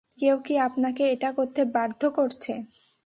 কেউ কি আপনাকে এটা করতে বাধ্য করছে?